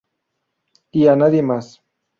Y a nadie más".